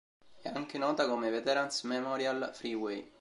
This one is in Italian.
È anche nota come Veterans Memorial Freeway.